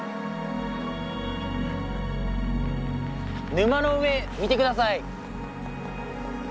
沼の上見て下さい。